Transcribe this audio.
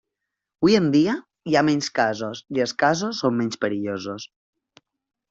Avui en dia, hi ha menys casos i els casos són menys perillosos.